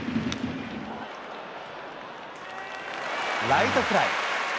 ライトフライ。